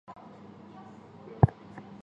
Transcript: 谊柯是壳斗科柯属的植物。